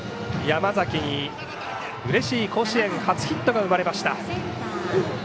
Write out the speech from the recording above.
山崎にうれしい甲子園初ヒットが生まれました。